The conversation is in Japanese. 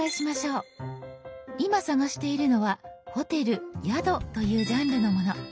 今探しているのは「ホテル・宿」というジャンルのもの。